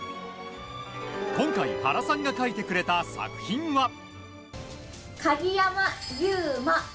今回、原さんが書いてくれた作品は。